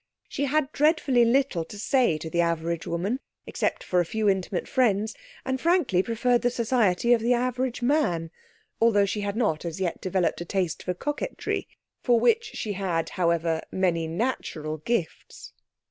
She had dreadfully little to say to the average woman, except to a few intimate friends, and frankly preferred the society of the average man, although she had not as yet developed a taste for coquetry, for which she had, however, many natural gifts.